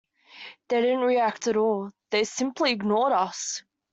They didn't react at all; they simply ignored us.